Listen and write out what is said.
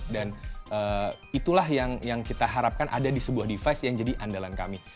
dan itulah yang kita harapkan ada di sebuah device yang jadi andalan kami